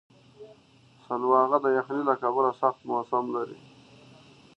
سلواغه د یخنۍ له کبله سخت موسم لري.